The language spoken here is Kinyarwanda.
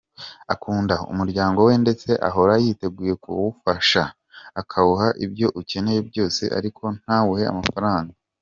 Akunda umuryango we ndetse ahora yiteguye kuwufasha, akawuha ibyo ukeneye byose ariko ntawuhe amafaranga.